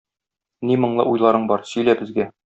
Ни моңлы уйларың бар - сөйлә безгә!